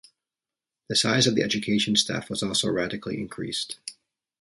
The size of the education staff was also radically increased.